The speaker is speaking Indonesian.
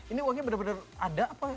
ini uangnya benar benar ada apa ya